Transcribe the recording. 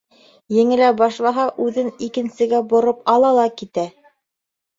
Еңелә башлаһа, һүҙен икенсегә бороп ала ла китә.